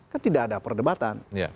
kan tidak ada perdebatan